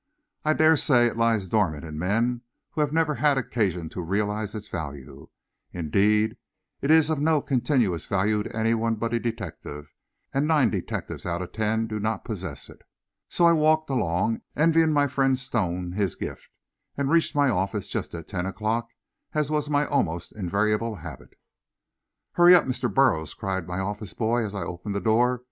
I dare say it lies dormant in men who have never had occasion to realize its value. Indeed, it is of no continuous value to anyone but a detective, and nine detectives out of ten do not possess it. So I walked along, envying my friend Stone his gift, and reached my office just at ten o'clock as was my almost invariable habit. "Hurry up, Mr. Burroughs!" cried my office boy, as I opened the door.